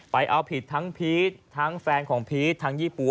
เอาผิดทั้งพีชทั้งแฟนของพีชทั้งยี่ปั๊